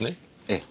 ええ。